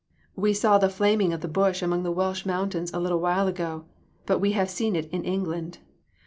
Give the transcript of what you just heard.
We saw the flaming of the bush among the Welsh mountains a little while ago, but we have seen it in England.